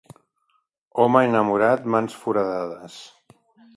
Home enamorat, mans foradades.